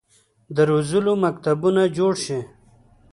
د روزلو مکتبونه جوړ شي.